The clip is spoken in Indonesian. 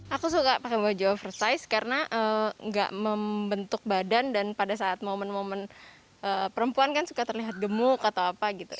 aku suka pakai baju oversize karena gak membentuk badan dan pada saat momen momen perempuan kan suka terlihat gemuk atau apa gitu